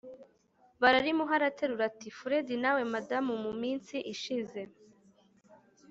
bararimuha araterura ati"furedi nawe madam muminsi ishize